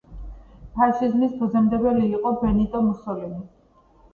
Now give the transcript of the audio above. ფაშიზმის ფუძემდებელი იყო ბენიტო მუსოლინი.